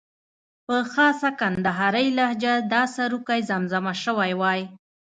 په خاصه کندارۍ لهجه دا سروکی زمزمه شوی وای.